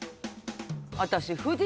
私。